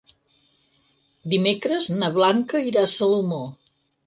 Dimecres na Blanca irà a Salomó.